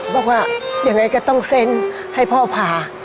บอกว่ายังไงก็ต้องเซ็นให้พ่อผ่า